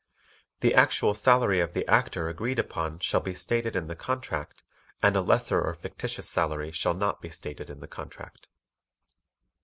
The actual salary of the Actor agreed upon shall be stated in the contract and a lesser or fictitious salary shall not be stated in the contract.